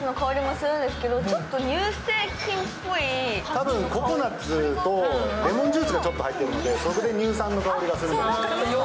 たぶんココナッツとレモンジュースがちょっと入ってるのでそれで乳酸の香りがするんだと思います。